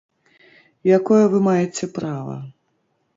Якое вы маеце права?